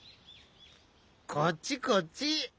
こっちこっち！